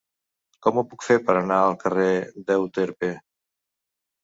Com ho puc fer per anar al carrer d'Euterpe?